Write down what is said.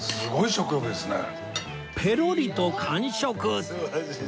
ペロリと完食